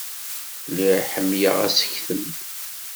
Lliɣ ḥemmleɣ asektem.